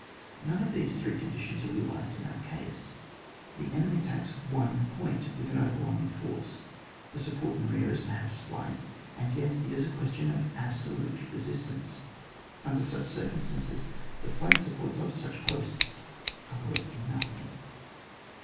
None of these three conditions are realised in that case. The enemy attacks one point with an overwhelming force, the support in rear is perhaps slight, and yet it is a question of absolute resistance. Under such cir cumstances the flank supports of such posts are worth nothing.